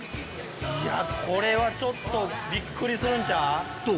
いやこれはちょっとびっくりするんちゃう？